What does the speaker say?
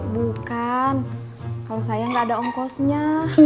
bukan kalau saya nggak ada ongkosnya